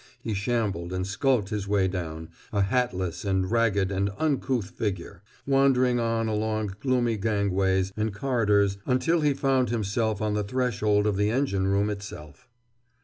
He shambled and skulked his way down, a hatless and ragged and uncouth figure, wandering on along gloomy gangways and corridors until he found himself on the threshold of the engine room itself.